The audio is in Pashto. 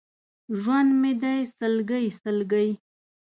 ژوند مې دی سلګۍ، سلګۍ!